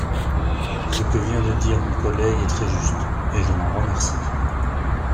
Ce que vient de dire mon collègue est très juste, et je l’en remercie.